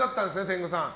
天狗さん。